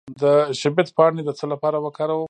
د شبت پاڼې د څه لپاره وکاروم؟